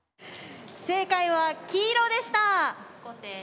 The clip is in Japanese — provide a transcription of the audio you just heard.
正解は黄色でした！